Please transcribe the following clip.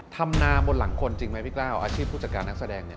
ทำนาบนหลังคนจริงไหมพี่กล้าวอาชีพผู้จัดการนักแสดงเนี่ย